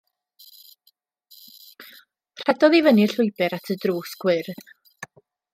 Rhedodd i fyny'r llwybr at y drws gwyrdd.